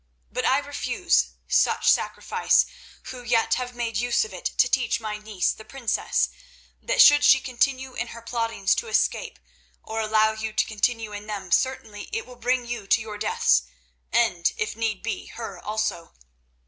But I refuse such sacrifice who yet have made use of it to teach my niece, the princess, that should she continue in her plottings to escape, or allow you to continue in them, certainly it will bring you to your deaths, and, if need be, her also.